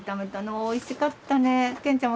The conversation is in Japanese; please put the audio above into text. おいしかったね。